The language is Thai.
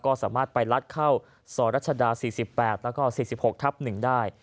ก็สามารถไปลัดเข้าซอยรัชดา๔๘แล้วก็๔๖ทับ๑ได้